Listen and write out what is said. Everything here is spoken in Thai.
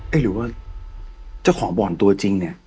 หรือว่าเจ้าของบ่อนตัวจริงเนี่ย